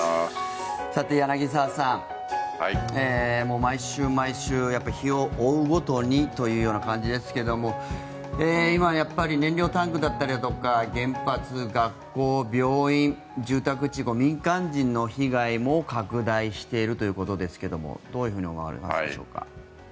さて、柳澤さん毎週毎週、日を追うごとにというような感じですけど今、やっぱり燃料タンクだったりとか原発、学校、病院住宅地、民間人の被害も拡大しているということですがどういうふうに思われますでしょうか？